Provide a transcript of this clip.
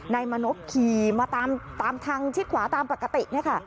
นายมานบขี่มาตามทางชิดขวาตามปกตินะคะ